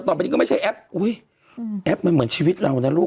ต่อไปนี้ก็ไม่ใช่แอปอุ้ยแอปมันเหมือนชีวิตเรานะลูก